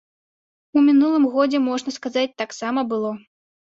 У мінулым годзе, можна сказаць, так сама было.